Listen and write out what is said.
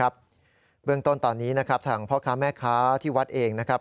เบื้องตอนตอนนี้นะครับท่านครับพระค้าแม่ครับที่วัดเองนะครับ